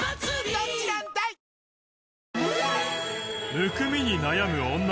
むくみに悩む女